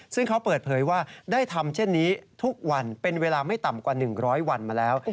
ซึ่งเขาเปิดเผยว่าได้ทำเช่นนี้ทุกวันเป็นเวลาไม่ต่ำกว่า๑๐๐วันมาแล้ว